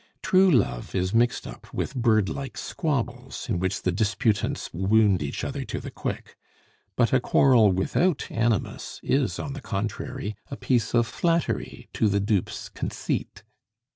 True love is mixed up with birdlike squabbles, in which the disputants wound each other to the quick; but a quarrel without animus is, on the contrary, a piece of flattery to the dupe's conceit.